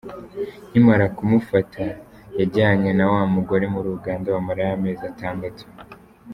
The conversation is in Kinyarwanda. Nkimara kumufata yajyanye na wa mugore muri Uganda bamarayo amezi atandatu.